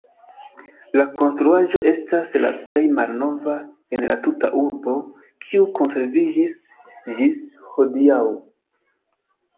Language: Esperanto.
La konstruaĵo estas la plej malnova en la tuta urbo, kiu konserviĝis ĝis hodiaŭ.